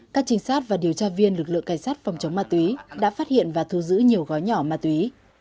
các trinh sát và điều tra viên lực lượng cảnh sát phòng chống ma túy đã phát hiện và thu giữ nhiều gói nhỏ ma túy